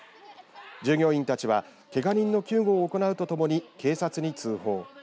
従業員たちは、けが人の救護を行うとともに警察に通報。